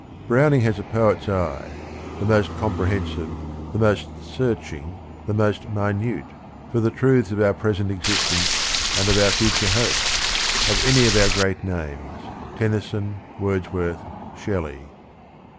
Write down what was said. Browning has a poet's eye, the most comprehensive, the most searching, the most minute, for the truths of our present existence THE RING AND THE BOOK 3 and of our future hopes, of any of our great names, Tennyson, Wordsworth, Shelley."